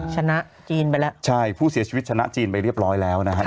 ชนะจีนไปแล้วใช่ผู้เสียชีวิตชนะจีนไปเรียบร้อยแล้วนะครับ